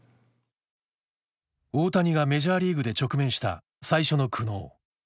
大谷がメジャーリーグで直面した最初の苦悩